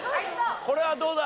これはどうだ？